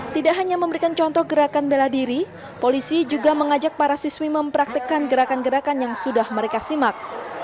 tidak hanya memberikan contoh gerakan bela diri polisi juga mengajak para siswi mempraktekkan gerakan gerakan yang sudah mereka simak